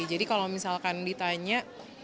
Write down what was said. jadi kalau misalkan ditanya